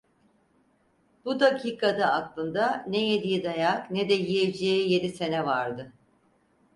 Bu dakikada aklında, ne yediği dayak ne de yiyeceği yedi sene vardı.